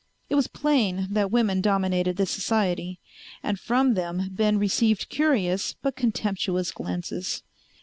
It was plain that women dominated this society, and from them Ben received curious but contemptuous glances.